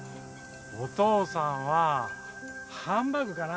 お父さんはハンバーグかな？